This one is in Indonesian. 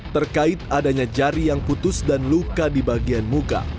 terkait adanya jari yang putus dan luka di bagian muka